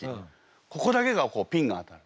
ここだけがこうピンが当たる。